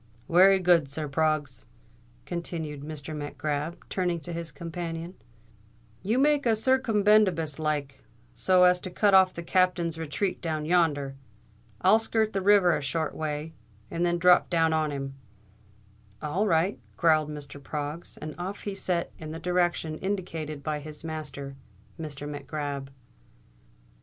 "Wery good, sir. Proggs," continued Mr. Mac Grab, turning to his companion, "you make a circumbendibus like, so as to cut off the Captain's retreat down yonder. I'll skirt the river a short way, and then drop down on him.". "All right," growled Mr. Proggs; and off he set in the direction indicated by his master, Mr. Mac Grab.